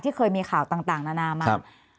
เคยมีข่าวต่างนานามา